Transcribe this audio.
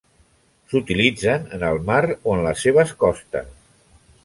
S'utilitzen en el mar o en les seves costes.